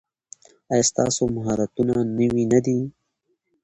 ایا ستاسو مهارتونه نوي نه دي؟